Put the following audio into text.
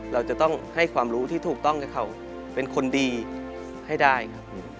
เราจะต้องให้ความรู้ที่ถูกต้องให้เขาเป็นคนดีให้ได้ครับผม